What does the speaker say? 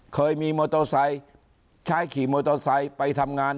เคยมีมอเตอร์ไซค์ใช้ขี่มอเตอร์ไซค์ไปทำงาน